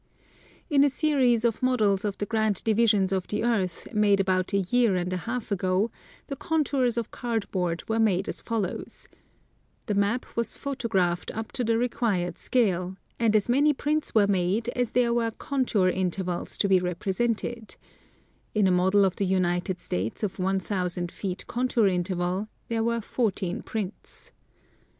In a series of models of the Grand Divisions of the earth, made about a year and a half ago, the contours of card board were made as follows : the map was photographed up to the required scale, and as many prints were made as there were contour inter vals to be represented — in a model of the United States of 1,000 feet contour interval there were fourteen prints.